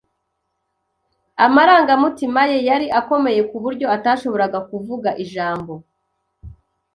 Amarangamutima ye yari akomeye kuburyo atashoboraga kuvuga ijambo.